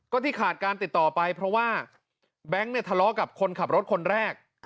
ก็ที่ขาดการติดต่อไปเพราะว่าแบงค์เนี่ยทะเลาะกับคนขับรถคนแรก